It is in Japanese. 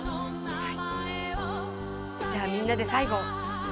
はい！